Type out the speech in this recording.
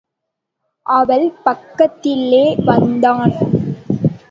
அவள் பக்கத்திலே வந்தான்.